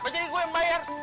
kenapa jadi gua yang bayar